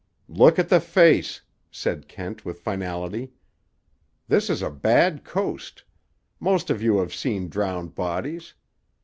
"Look at the face," said Kent with finality. "This is a bad coast. Most of you have seen drowned bodies.